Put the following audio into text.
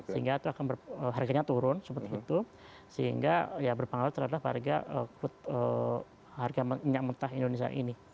sehingga itu akan harganya turun seperti itu sehingga ya berpengaruh terhadap harga minyak mentah indonesia ini